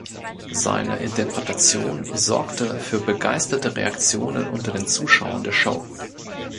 Seine Interpretation sorgte für begeisterte Reaktionen unter den Zuschauern der Show.